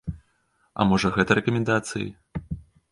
А можа гэта рэкамендацыі?